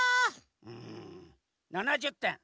うん７０てん。